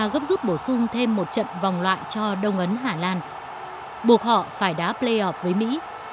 nó giúp bổ sung thêm một trận vòng loại cho đông ấn hà lan buộc họ phải đá playoff với mỹ